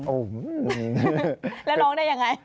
แล้วร้องได้ยังไง